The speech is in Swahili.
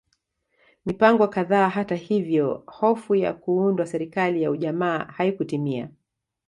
Mipango kadhaa hata hivyo hofu ya kuundwa serikali ya ujamaa haikutimia